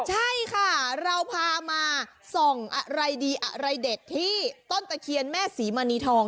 ใช่ค่ะเราพามาส่องอะไรดีอะไรเด็ดที่ต้นตะเคียนแม่ศรีมณีทอง